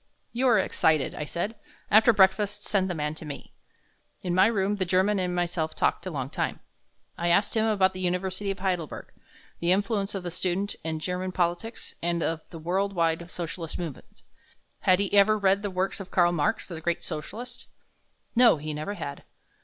"You are excited," I said. "After breakfast send the man to me." In my room the German and myself talked a long time. I asked him about the University of Heidelberg, the influence of the student in German politics and of the world wide socialistic movement had he ever read the works of Karl Marx, the great Socialist? No, he never had.